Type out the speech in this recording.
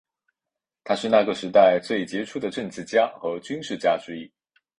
他是那个时代最杰出的政治家和军事家之一。